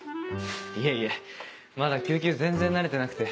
いえいえまだ救急全然慣れてなくて。